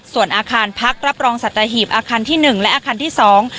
ส่วนอาคารพักรับรองสัตหีบอาคารที่หนึ่งและอาคารที่สอง